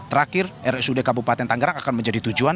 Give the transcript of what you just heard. terakhir rsud kabupaten tangerang akan menjadi tujuan